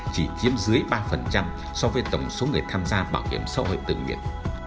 chỉ chiếm dưới ba so với tổng số người tham gia bảo kiểm sổ hội tự nguyện